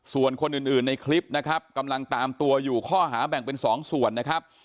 ส่วนคนอื่นในคลิปนะครับกำลังตามตัวอยู่ข้อหาแบ่งเป็น๒ส่วนนะครับ